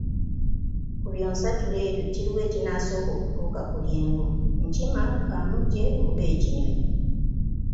"Ku byonsatule ebyo kiriwa ekinaasooka okutuuka ku lyenvu, nkima, kaamuje oba ekinyonyi?"